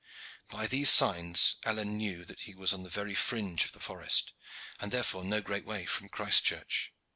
By these signs Alleyne knew that he was on the very fringe of the forest, and therefore no great way from Christchurch.